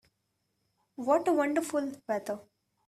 What a wonderful weather!